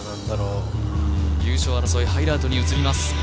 優勝争い、ハイライトに移ります。